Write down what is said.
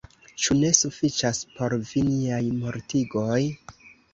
Ĉu ne sufiĉas por vi niaj mortigoj?